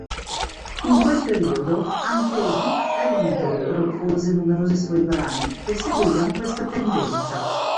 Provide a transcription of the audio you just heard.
In quel periodo anche Duke Ellington propose numerosi suoi brani che seguivano questa tendenza.